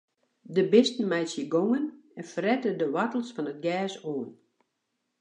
De bisten meitsje gongen en frette de woartels fan it gers oan.